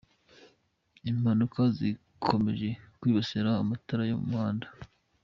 Impanuka zikomeje kwibasira amatara yo mu muhanda